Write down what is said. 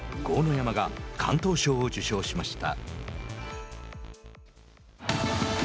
山が敢闘賞を受賞しました。